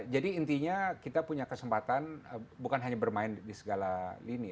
jadi intinya kita punya kesempatan bukan hanya bermain di segala lini